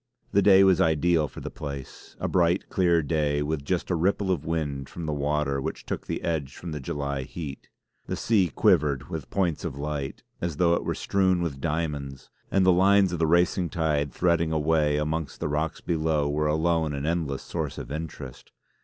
The day was ideal for the place; a bright, clear day with just a ripple of wind from the water which took the edge from the July heat. The sea quivered with points of light, as though it were strewn with diamonds, and the lines of the racing tide threading a way amongst the rocks below were alone an endless source of interest.